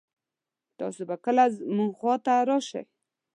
تاسو به کله مونږ خوا ته راشئ